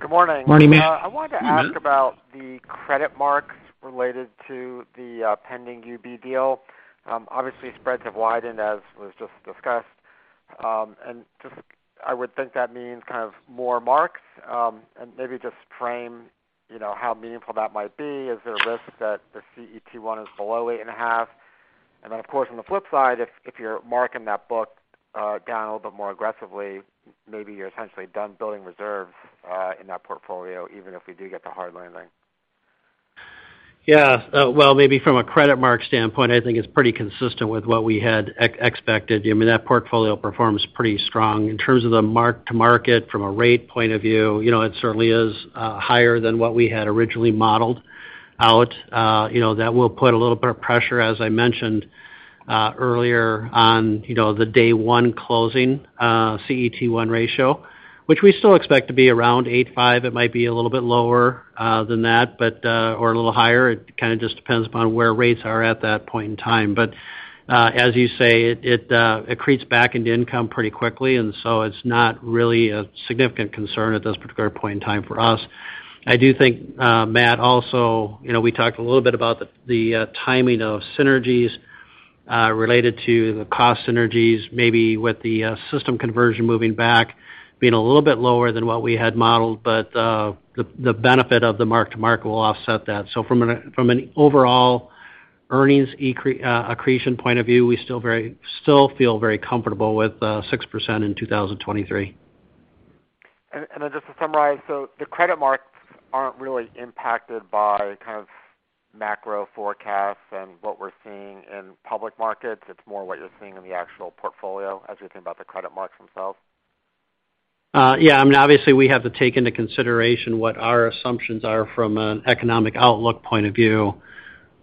Good morning. Morning, Matt. I wanted to ask about the credit marks related to the pending Union Bank deal. Obviously, spreads have widened as was just discussed. Just I would think that means kind of more marks. Maybe just frame, you know, how meaningful that might be. Is there a risk that the CET1 is below 8.5? Then, of course, on the flip side, if you're marking that book down a little bit more aggressively, maybe you're essentially done building reserves in that portfolio, even if we do get the hard landing. Well, maybe from a credit mark standpoint, I think it's pretty consistent with what we had expected. I mean, that portfolio performs pretty strong. In terms of the mark-to-market from a rate point of view, you know, it certainly is higher than what we had originally modeled out. You know, that will put a little bit of pressure, as I mentioned, earlier on, you know, the day one closing CET1 ratio, which we still expect to be around 8.5. It might be a little bit lower than that, but or a little higher. It kind of just depends upon where rates are at that point in time. As you say, it accretes back into income pretty quickly, and so it's not really a significant concern at this particular point in time for us. I do think, Matt, also, you know, we talked a little bit about the timing of synergies related to the cost synergies, maybe with the system conversion moving back being a little bit lower than what we had modeled, but the benefit of the mark-to-market will offset that. From an overall earnings accretion point of view, we still feel very comfortable with 6% in 2023. just to summarize, so the credit marks aren't really impacted by kind of macro forecasts and what we're seeing in public markets. It's more what you're seeing in the actual portfolio as we think about the credit marks themselves. I mean, obviously, we have to take into consideration what our assumptions are from an economic outlook point of view.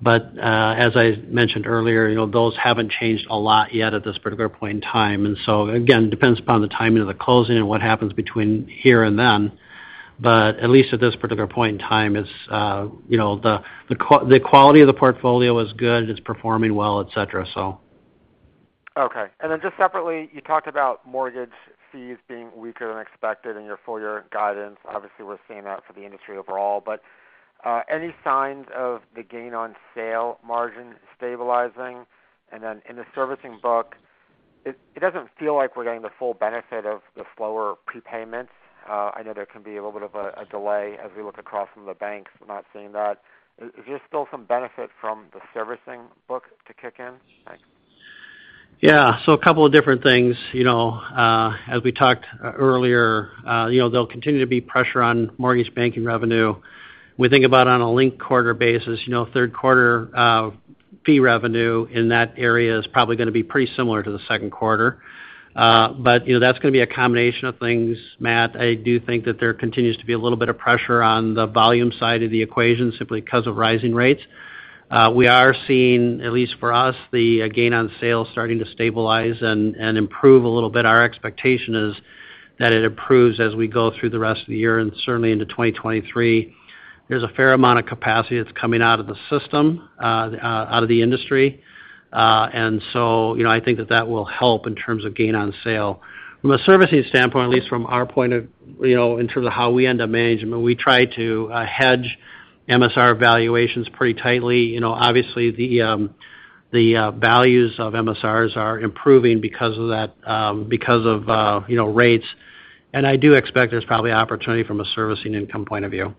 As I mentioned earlier, you know, those haven't changed a lot yet at this particular point in time. Again, depends upon the timing of the closing and what happens between here and then. At least at this particular point in time, it's, you know, the quality of the portfolio is good, it's performing well, et cetera. Okay. Just separately, you talked about mortgage fees being weaker than expected in your full year guidance. Obviously, we're seeing that for the industry overall. Any signs of the gain on sale margin stabilizing? In the servicing book, it doesn't feel like we're getting the full benefit of the slower prepayments. I know there can be a little bit of a delay as we look across some of the banks. We're not seeing that. Is there still some benefit from the servicing book to kick in? Thanks. Yeah. A couple of different things. You know, as we talked earlier, you know, there'll continue to be pressure on mortgage banking revenue. When we think about on a linked quarter basis, you know, third quarter, fee revenue in that area is probably gonna be pretty similar to the second quarter. That's gonna be a combination of things, Matt. I do think that there continues to be a little bit of pressure on the volume side of the equation simply 'cause of rising rates. We are seeing, at least for us, the gain on sales starting to stabilize and improve a little bit. Our expectation is that it improves as we go through the rest of the year and certainly into 2023. There's a fair amount of capacity that's coming out of the system, out of the industry. You know, I think that will help in terms of gain on sale. From a servicing standpoint, at least from our point of view, you know, in terms of how we end up managing, but we try to hedge MSR valuations pretty tightly. You know, obviously the values of MSRs are improving because of that, because of, you know, rates. I do expect there's probably opportunity from a servicing income point of view.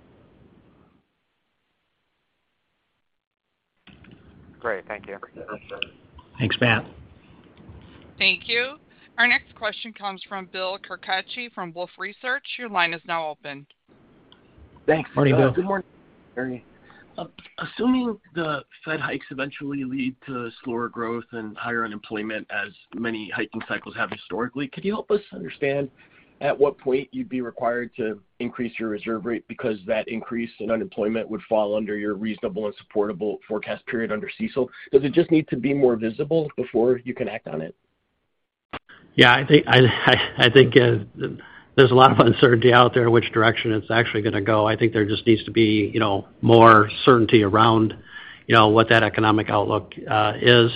Great. Thank you. Thanks, Matt. Thank you. Our next question comes from Bill Carcache from Wolfe Research. Your line is now open. Thanks. Morning, Bill. Good morning. Assuming the Fed hikes eventually lead to slower growth and higher unemployment as many hiking cycles have historically, could you help us understand at what point you'd be required to increase your reserve rate because that increase in unemployment would fall under your reasonable and supportable forecast period under CECL? Does it just need to be more visible before you can act on it? I think there's a lot of uncertainty out there which direction it's actually gonna go. I think there just needs to be, you know, more certainty around, you know, what that economic outlook is.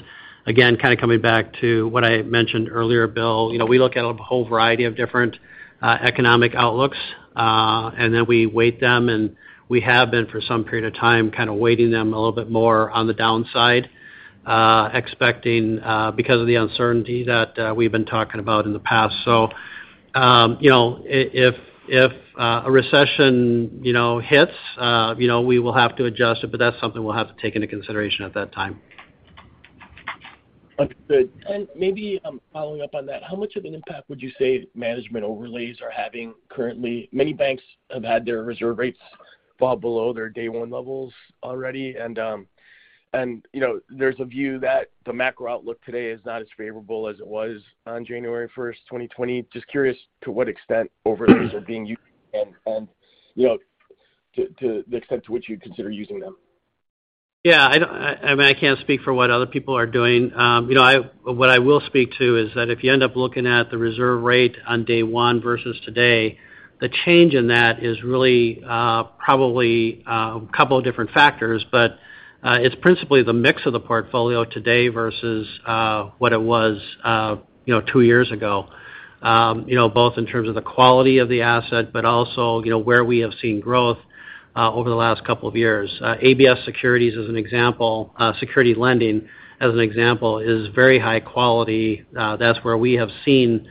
Again, kind of coming back to what I mentioned earlier, Bill, you know, we look at a whole variety of different economic outlooks and then we weight them. We have been for some period of time kind of weighting them a little bit more on the downside, expecting because of the uncertainty that we've been talking about in the past. If a recession, you know, hits, you know, we will have to adjust, but that's something we'll have to take into consideration at that time. Understood. Maybe following up on that, how much of an impact would you say management overlays are having currently? Many banks have had their reserve rates fall below their day one levels already. You know, there's a view that the macro outlook today is not as favorable as it was on January 1st, 2020. Just curious to what extent overlays are being used and, you know, to the extent to which you'd consider using them. I mean, I can't speak for what other people are doing. You know, what I will speak to is that if you end up looking at the reserve rate on day one versus today, the change in that is really, probably, a couple of different factors. It's principally the mix of the portfolio today versus, what it was, you know, two years ago. You know, both in terms of the quality of the asset, but also, you know, where we have seen growth, over the last couple of years. ABS Securities as an example, securities lending as an example is very high quality. That's where we have seen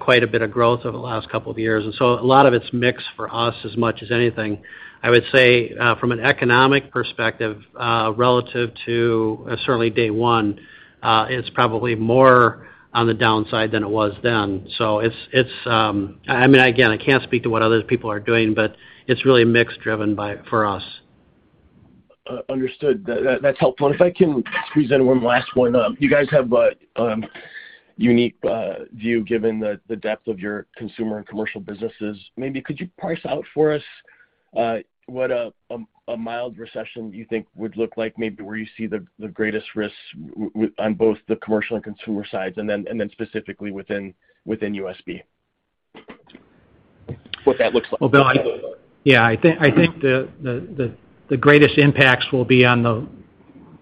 quite a bit of growth over the last couple of years. A lot of it's mix for us as much as anything. I would say from an economic perspective relative to certainly day one it's probably more on the downside than it was then. It's I mean again I can't speak to what other people are doing but it's really mix driven by for us. Understood. That's helpful. If I can squeeze in one last one. You guys have a unique view given the depth of your consumer and commercial businesses. Maybe could you price out for us what a mild recession you think would look like maybe where you see the greatest risks on both the commercial and consumer sides, and then specifically within USB. What that looks like. Bill, I think the greatest impacts will be on the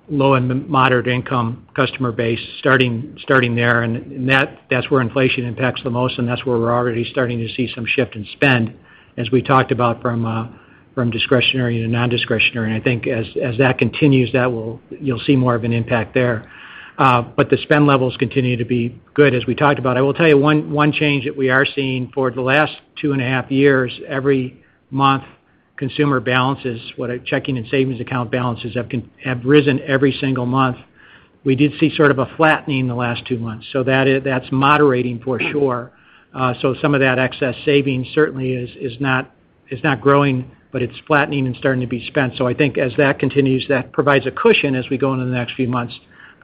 low and moderate income customer base starting there. That's where inflation impacts the most, and that's where we're already starting to see some shift in spend as we talked about from discretionary to non-discretionary. I think as that continues, you'll see more of an impact there. The spend levels continue to be good as we talked about. I will tell you one change that we are seeing for the last two and a half years, every month consumer balances, what our checking and savings account balances have risen every single month. We did see sort of a flattening the last two months. That's moderating for sure. Some of that excess savings certainly is not growing, but it's flattening and starting to be spent. I think as that continues, that provides a cushion as we go into the next few months.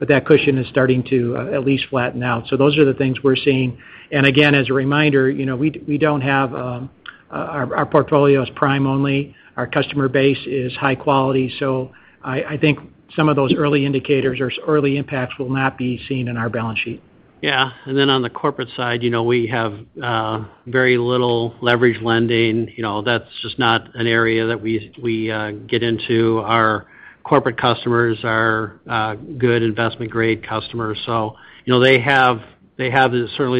That cushion is starting to at least flatten out. Those are the things we're seeing. Again, as a reminder, you know, we don't have our portfolio is prime only. Our customer base is high quality. I think some of those early indicators or early impacts will not be seen in our balance sheet. Yeah. On the corporate side, you know, we have very little leverage lending. You know, that's just not an area that we get into. Our corporate customers are good investment-grade customers. You know, they certainly have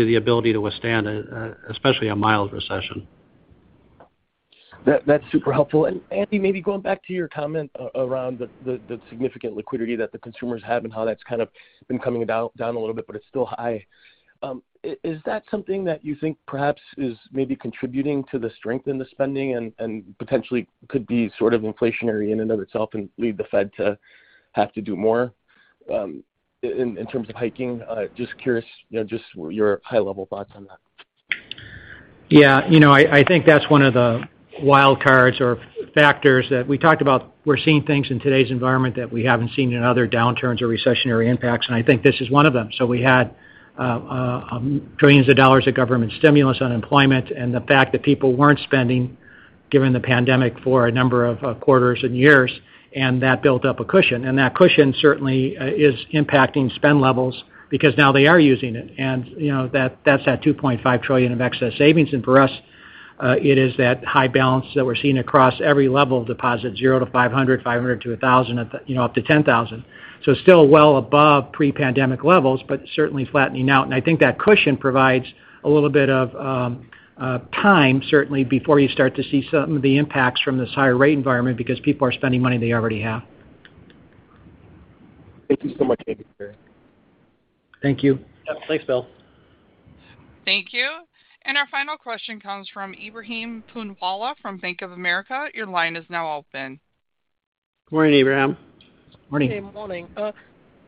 the ability to withstand especially a mild recession. That's super helpful. Andy, maybe going back to your comment around the significant liquidity that the consumers have and how that's kind of been coming down a little bit, but it's still high. Is that something that you think perhaps is maybe contributing to the strength in the spending and potentially could be sort of inflationary in and of itself and lead the Fed to have to do more in terms of hiking? Just curious, you know, just your high-level thoughts on that. Yeah. You know, I think that's one of the wild cards or factors that we talked about. We're seeing things in today's environment that we haven't seen in other downturns or recessionary impacts, and I think this is one of them. We had trillions of dollars of government stimulus, unemployment, and the fact that people weren't spending given the pandemic for a number of quarters and years, and that built up a cushion. That cushion certainly is impacting spend levels because now they are using it. You know, that's that $2.5 trillion of excess savings. For us, it is that high balance that we're seeing across every level of deposit, 0-500, 500-1,000, you know, up to 10,000. Still well above pre-pandemic levels, but certainly flattening out. I think that cushion provides a little bit of time certainly before you start to see some of the impacts from this higher rate environment because people are spending money they already have. Thank you so much. Thank you. Yeah. Thanks, Bill. Thank you. Our final question comes from Ebrahim Poonawala from Bank of America. Your line is now open. Good morning, Ebrahim. Morning. Hey, morning.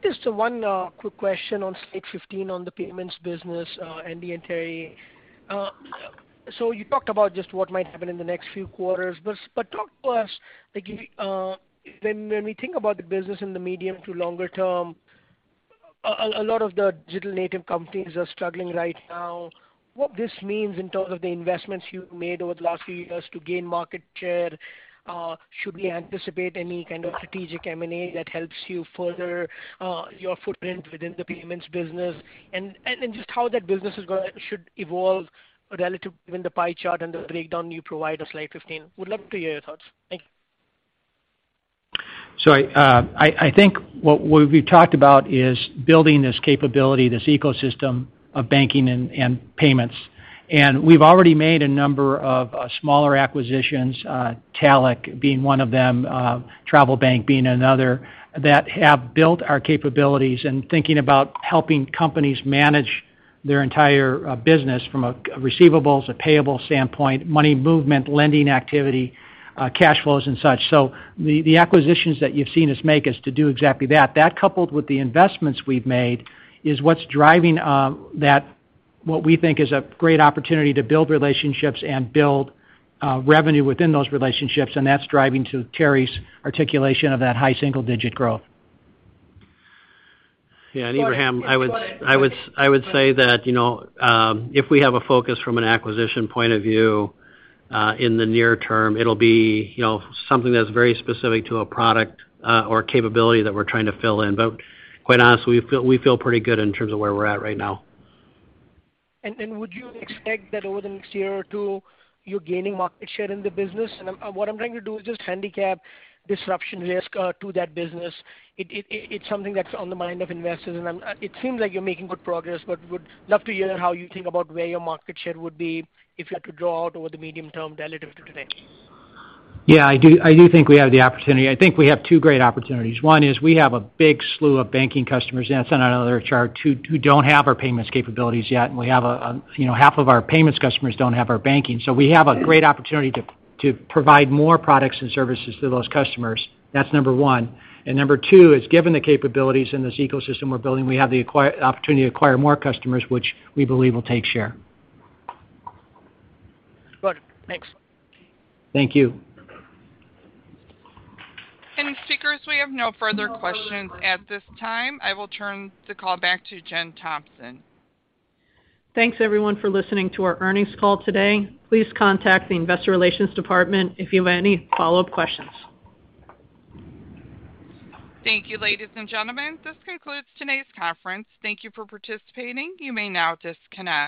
Just one quick question on slide 15 on the payments business, Andy and Terry. So you talked about just what might happen in the next few quarters. Talk to us, like, when we think about the business in the medium to longer term, a lot of the digital native companies are struggling right now. What this means in terms of the investments you have made over the last few years to gain market share, should we anticipate any kind of strategic M&A that helps you further your footprint within the payments business? And then just how that business should evolve relative to the pie chart and the breakdown you provide on slide 15. Would love to hear your thoughts. Thank you. I think what we've talked about is building this capability, this ecosystem of banking and payments. We've already made a number of smaller acquisitions, talech being one of them, TravelBank being another, that have built our capabilities in thinking about helping companies manage their entire business from a receivables, a payables standpoint, money movement, lending activity, cash flows and such. The acquisitions that you've seen us make is to do exactly that. That coupled with the investments we've made is what's driving that what we think is a great opportunity to build relationships and build revenue within those relationships, and that's driving to Terry's articulation of that high single-digit growth. Yeah. Ebrahim, I would say that, you know, if we have a focus from an acquisition point of view, in the near term, it'll be, you know, something that's very specific to a product, or capability that we're trying to fill in. Quite honestly, we feel pretty good in terms of where we're at right now. Would you expect that over the next year or two, you're gaining market share in the business? What I'm trying to do is just handicap disruption risk to that business. It's something that's on the mind of investors, and it seems like you're making good progress, but would love to hear how you think about where your market share would be if you had to draw out over the medium term relative to today. Yeah, I do think we have the opportunity. I think we have two great opportunities. One is we have a big slew of banking customers, and that's on another chart, too, who don't have our payments capabilities yet, and we have, you know, half of our payments customers don't have our banking. So we have a great opportunity to provide more products and services to those customers. That's number one. Number two is given the capabilities in this ecosystem we're building, we have the opportunity to acquire more customers, which we believe will take share. Got it. Thanks. Thank you. Speakers, we have no further questions at this time. I will turn the call back to Jen Thompson. Thanks, everyone, for listening to our earnings call today. Please contact the investor relations department if you have any follow-up questions. Thank you, ladies and gentlemen. This concludes today's conference. Thank you for participating. You may now disconnect.